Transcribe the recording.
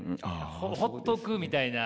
ほっとくみたいな。